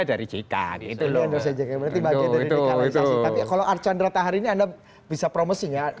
baik betul baik